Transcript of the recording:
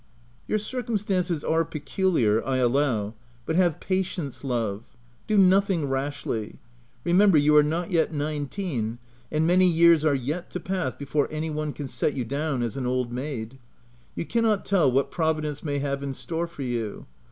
"Your circumstances are peculiar I allow; but have patience, love ; do nothing rashly. Remember you are not yet nineteen, and many years are yet to pass before any one can set you down as an old maid : you cannot tell what Providence may have in store for you.